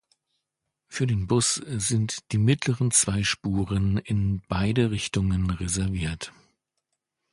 Für den Bus sind die mittleren zwei Spuren in beide Richtungen reserviert.